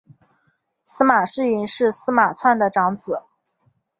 司马世云是司马纂的长子。